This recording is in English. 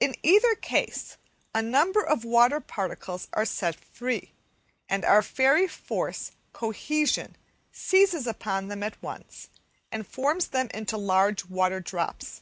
In either case a number of water particles are set free, and our fairy force "cohesion" seizes upon them at once and forms them into large water drops.